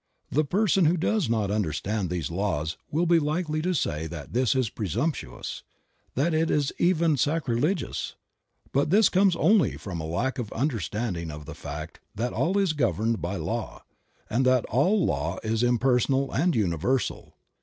The person who does not understand these laws will be likely to say that this is presumptuous ; that it is even sacre ligious ; but this comes only from a lack of understanding of the fact that all is governed by law, and that all law is impersonal and universal.